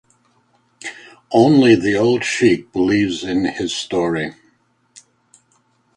Only the old sheikh believes in his story.